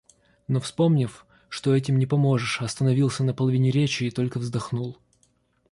Но вспомнив, что этим не поможешь, остановился на половине речи и только вздохнул.